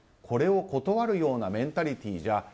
これを断るようなメンタリティーじゃ